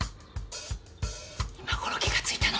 今ごろ気がついたの？